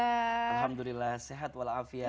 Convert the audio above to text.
alhamdulillah sehat walafiat